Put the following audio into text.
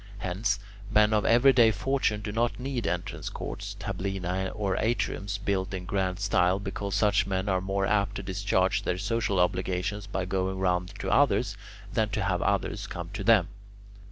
Hence, men of everyday fortune do not need entrance courts, tablina, or atriums built in grand style, because such men are more apt to discharge their social obligations by going round to others than to have others come to them.